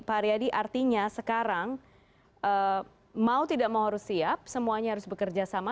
pak haryadi artinya sekarang mau tidak mau harus siap semuanya harus bekerja sama